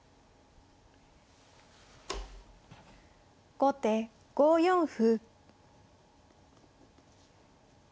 後手５四歩。